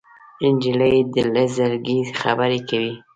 نجلۍ له زړګي خبرې کوي.